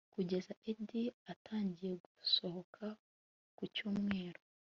Kugeza Ed atangiye gusohoka ku cyumweru